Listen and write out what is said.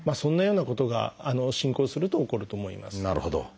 なるほど。